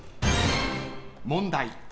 問題。